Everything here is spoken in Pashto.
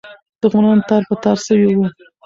دښمنان تار په تار سوي وو.